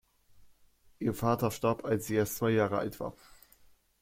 Ihr Vater starb, als sie erst zwei Jahre alt war.